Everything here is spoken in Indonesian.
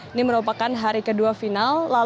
ini merupakan hari kedua final